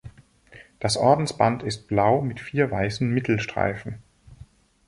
Das Ordensband ist blau mit vier weißen Mittelstreifen.